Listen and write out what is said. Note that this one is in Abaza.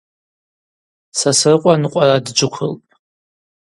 Сосрыкъва ныкъвара дджвыквылтӏ.